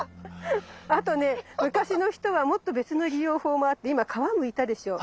あとね昔の人はもっと別の利用法もあって今皮むいたでしょう？